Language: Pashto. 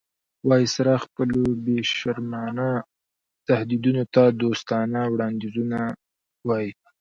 وایسرا خپلو بې شرمانه تهدیدونو ته دوستانه وړاندیزونه وایي.